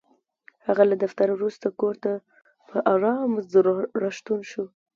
هغه له دفتره وروسته کور ته په ارامه زړه راستون شو.